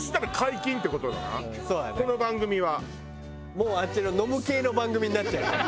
もうあっちの飲む系の番組になっちゃうよ。